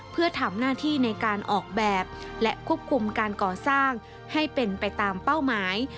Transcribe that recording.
เพื่อทำหน้าที่ในการออกแบบและควบคุมการก่อสร้างให้เป็นไปตามเป้าหมาย